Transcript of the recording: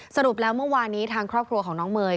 สรุปแล้วเมื่อวานนี้ทางครอบครัวของน้องเมย์